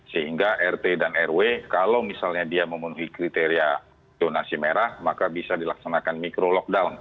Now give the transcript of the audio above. sehingga rt dan rw kalau misalnya dia memenuhi kriteria jonasi merah maka bisa dilaksanakan micro lockdown